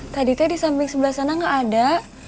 tadi tadi samping sebelah sana gak ada